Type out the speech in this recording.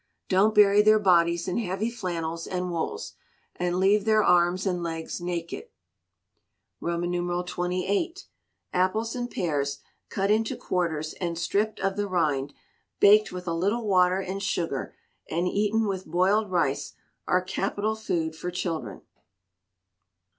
Don't bury their bodies in heavy flannels and wools, and leave their arms and legs naked. xxviii. Apples and pears, cut into quarters and stripped of the rind, baked with a little water and sugar, and eaten with boiled rice, are capital food for children.